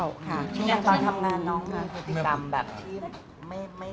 ช่วงวันตอนทำงานน้องคิดทำแบบที่ไม่ดี